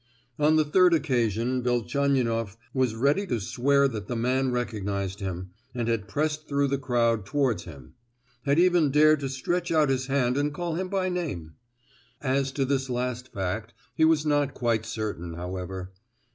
On the third occasion Velchaninoff was ready to swear that the man recognised him, and had pressed through the crowd towards him; had even dared to stretch out his hand and call him by name. As to this last fact he was not quite certain, however.